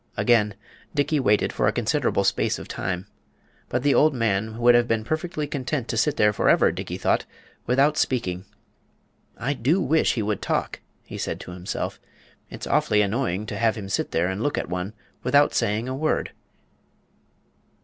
Again Dickey waited for a considerable space of time. But the old man would have been perfectly content to sit there for ever, Dickey thought, without speaking. "I do wish he would talk," said he to himself. "It's awfully annoying to have him sit there and look at one without saying a word."